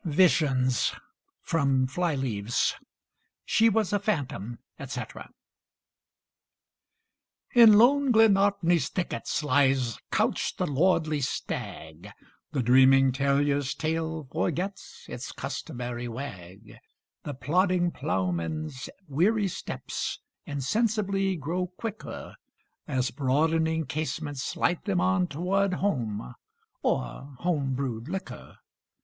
VISIONS From 'Fly Leaves' "She was a phantom " etc. In lone Glenartney's thickets lies couched the lordly stag, The dreaming terrier's tail forgets its customary wag; And plodding plowmen's weary steps insensibly grow quicker, As broadening casements light them on toward home, or home brewed liquor.